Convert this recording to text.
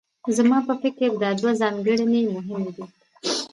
زما په فکر دا دوه ځانګړنې مهمې دي.